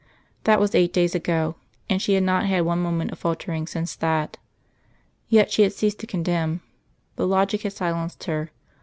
That was eight days ago; and she had not had one moment of faltering since that. Yet she had ceased to condemn. The logic had silenced her.